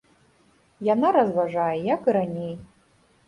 Яна разважае як і раней.